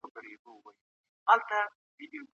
موږ ته په کار ده چي پر مځکي امن راولو.